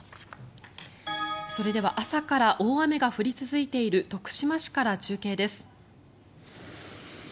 それでは朝から大雨が降り続いている徳島市から中継です。